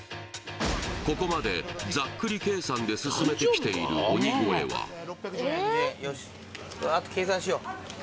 ここまでざっくり計算で進めてきている鬼越はえ何？